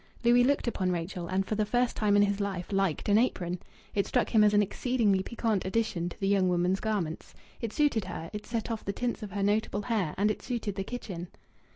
Louis looked upon Rachel, and for the first time in his life liked an apron! It struck him as an exceedingly piquant addition to the young woman's garments. It suited her; it set off the tints of her notable hair; and it suited the kitchen.